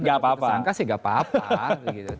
sudah tersangka sih tidak apa apa